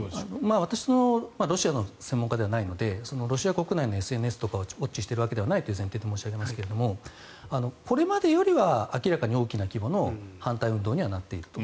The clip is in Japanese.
私はロシアの専門家ではないのでロシア国内のＳＮＳとかをウォッチしている前提ではないということで申し上げますけどもこれまでよりは明らかに大きな規模の反対運動にはなっていると。